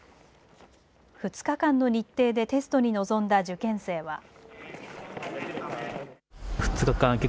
２日間の日程でテストに臨んだ受験生は。